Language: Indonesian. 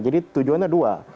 jadi tujuannya dua